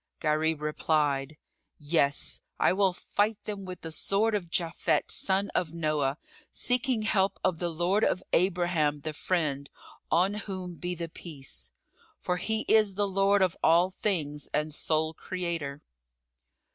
Gharib replied, "Yes, I will fight them with the sword of Japhet son of Noah, seeking help of the Lord of Abraham the Friend (on whom be the Peace!); for He is the Lord of all things and sole Creator!"